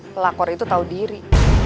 pelakor itu tahu diri